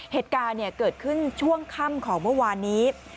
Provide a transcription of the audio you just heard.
เหตุการณ์เกิดขึ้นช่วงค่ำของเมื่อวานนี้